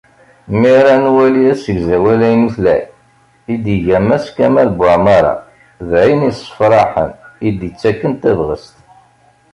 Mi ara nwali asegzawal aynutlay i d-iga Mass Kamal Buεmara, d ayen issefraḥen, i d-ittaken tabɣest.